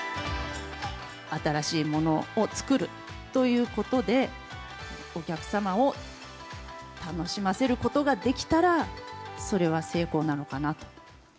新しいものを作るということで、お客様を楽しませることができたら、それは成功なのかなと。